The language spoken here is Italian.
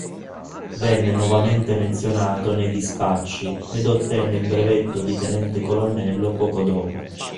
Venne nuovamente menzionato nei dispacci ed ottenne il brevetto di Tenente Colonnello poco dopo.